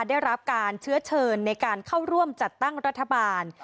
ได้รับการเชื้อเชิญในการเข้าร่วมจัดตั้งรัฐบาล